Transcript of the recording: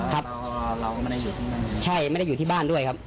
ครับใช่ไม่ได้อยู่ที่บ้านด้วยครับ